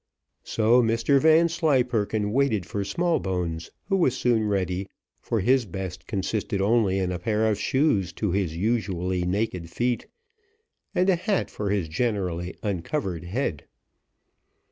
So Mr Vanslyperken waited for Smallbones, who was soon ready, for his best consisted only in a pair of shoes to his usually naked feet, and a hat for his generally uncovered head.